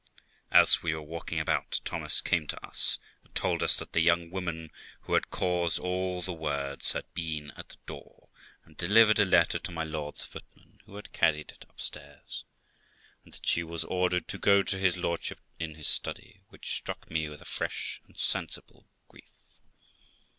As we were walking about, Thomas came to us, and told us that the young woman who had caused all the words, had been at the door, and delivered a letter to my lord's footman, who had carried it upstairs, and that she was ordered to go to his lordship in his study, which struck me with a fresh and sensible grief.